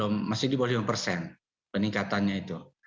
masih di bawah lima persen peningkatannya itu